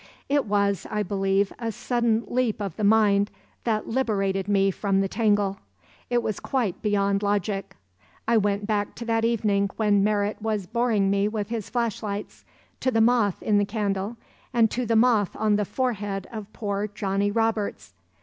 "It was, I believe, a sudden leap of the mind that liberated me from the tangle. It was quite beyond logic. I went back to that evening when Merritt was boring me with his flashlights, to the moth in the candle, and to the moth on the forehead of poor Johnnie Roberts.